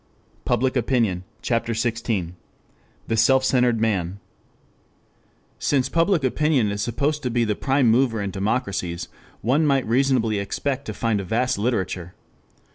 A NEW IMAGE CHAPTER XVI THE SELF CENTERED MAN I SINCE Public Opinion is supposed to be the prime mover in democracies, one might reasonably expect to find a vast literature.